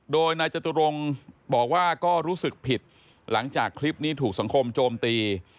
โดยนายจตุรงค์บอกว่าก็รู้สึกผิดหลังจากคลิปนี้ถูกสังคมโจมตี